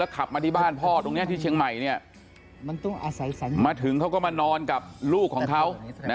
แล้วขับมาที่บ้านพ่อตรงนี้ที่เชียงใหม่เนี่ยมาถึงเขาก็มานอนกับลูกของเขา